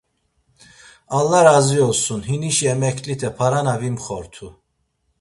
Alla razi olsun hinişi emeklite parana vimxortu.